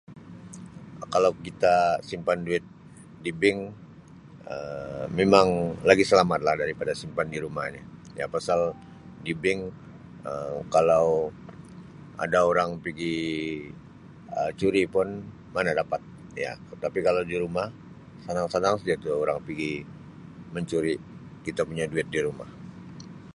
Kalau kita simpan duit di bank Um mimang lagi selamat lah daripada simpan di rumah ni ya pasal di bank Um kalau ada orang pigi Um curi pun mana dapat dia tapi kalau di rumah sanang sanang saja itu orang pigi mencuri kita punya duit di rumah.